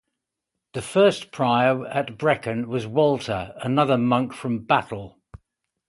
The first prior at Brecon was Walter, another monk from Battle.